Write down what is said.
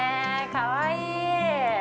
かわいい。